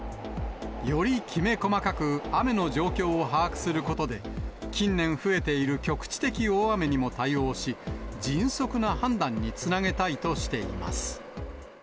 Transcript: よりきめ細かく雨の状況を把握することで、近年、増えている局地的大雨にも対応し、迅速な判断につなげたいとしています。